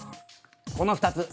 この２つ。